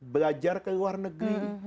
belajar ke luar negeri